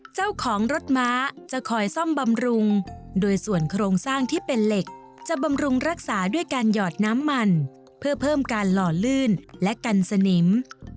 เจ้าของรถม้าจะคอยซ่อมบำรุงโดยส่วนโครงสร้างที่เป็นเหล็กจะบำรุงรักษาด้วยการหยอดน้ำมันเพื่อเพิ่มการหล่อลื่นและกันสนิม